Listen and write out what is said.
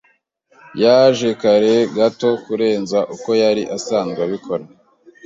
Yaje kare gato kurenza uko yari asanzwe abikora.